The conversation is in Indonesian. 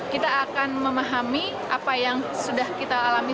kita akan memahami apa yang sudah kita alami